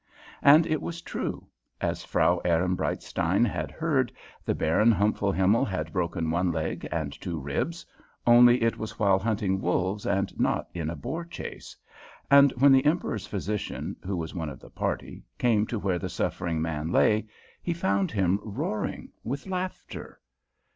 And it was true. As Frau Ehrenbreitstein had heard, the Baron Humpfelhimmel had broken one leg and two ribs only it was while hunting wolves and not in a boar chase and when the Emperor's physician, who was one of the party, came to where the suffering man lay he found him roaring with laughter.